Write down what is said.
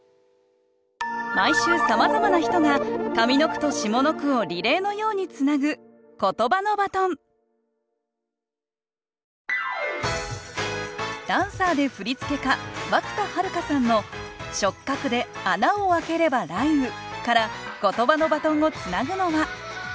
毎週さまざまな人が上の句と下の句をリレーのようにつなぐダンサーで振付家涌田悠さんの「触角で穴をあければ雷雨」からことばのバトンをつなぐのは。